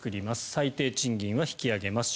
最低賃金は引き上げます